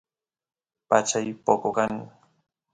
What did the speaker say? pachay poco kan